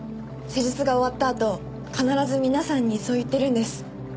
施術が終わったあと必ず皆さんにそう言ってるんです。